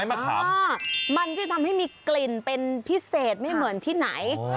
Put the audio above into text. มันก็จะทำให้มีกลิ่นเป็นพิเศษไม่เหมือนที่ไหน